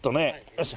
よし！